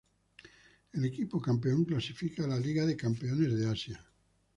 El equipo campeón clasifica a la Liga de Campeones de Asia.